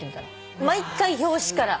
毎回表紙から。